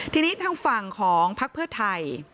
ทีนี้ทางฝั่งของพักเพื่อไทย